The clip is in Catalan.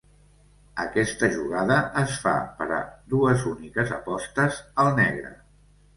Aquesta jugada es fa per a dues úniques apostes al negre.